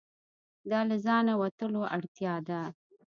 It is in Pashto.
دا له ځانه وتلو اړتیا ده.